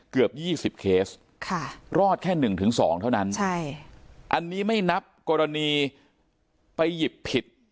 เกือบ๒๐เคสรอดแค่๑๒เท่านั้นอันนี้ไม่นับกรณีไปหยิบผิด